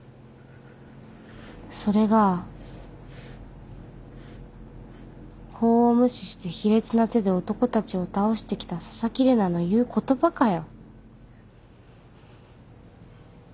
それが法を無視して卑劣な手で男たちを倒してきた紗崎玲奈の言う言葉かよ？